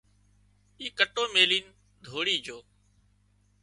اي ڪٽو ميلين ڌوڙي جھو